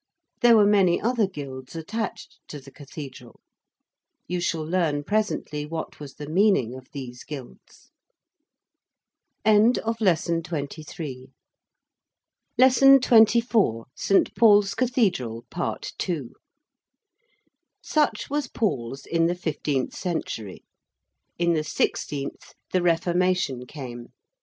There were many other guilds attached to the Cathedral. You shall learn presently what was the meaning of these guilds. 24. ST. PAUL'S CATHEDRAL. PART II. Such was Paul's in the fifteenth century. In the sixteenth the Reformation came.